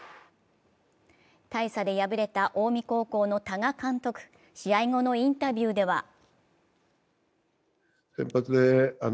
大差で敗れた近江高校の多賀監督、試合後のインタビューでは